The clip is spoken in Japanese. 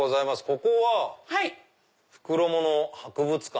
ここは袋物博物館？